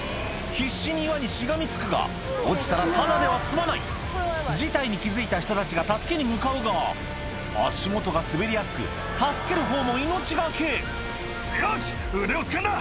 必死に岩にしがみつくが落ちたらただでは済まない事態に気付いた人たちが助けに向かうが足元が滑りやすく助ける方も命懸け「よし腕をつかんだ！